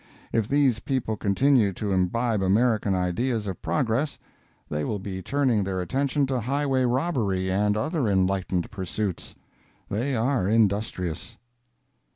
If these people continue to imbibe American ideas of progress, they will be turning their attention to highway robbery, and other enlightened pursuits. They are industrious.